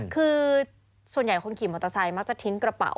คือส่วนใหญ่คนขี่มอเตอร์ไซค์มักจะทิ้งกระเป๋า